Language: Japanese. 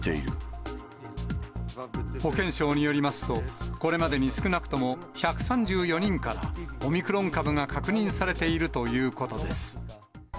保健省によりますと、これまでに少なくとも１３４人からオミクロン株が確認されているということです。